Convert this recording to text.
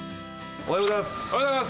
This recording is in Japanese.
おはようございます！